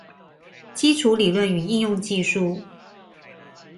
基礎理論與應用技術